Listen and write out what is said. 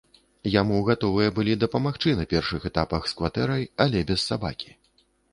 Яму гатовыя былі дапамагчы на першых этапах з кватэрай, але без сабакі.